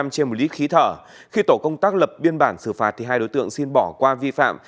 trên một lít khí thở khi tổ công tác lập biên bản xử phạt hai đối tượng xin bỏ qua vi phạm